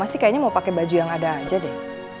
mama sih kayaknya mau pake baju yang ada aja deh